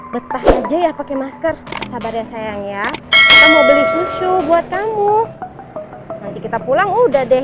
betah aja ya pakai masker sabar ya sayang ya kita mau beli susu buat kamu nanti kita pulang udah deh